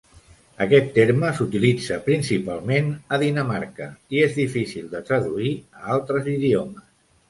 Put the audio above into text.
Aquest terme s'utilitza principalment a Dinamarca i és difícil de traduir a altres idiomes.